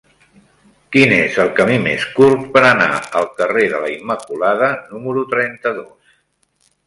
Quin és el camí més curt per anar al carrer de la Immaculada número trenta-dos?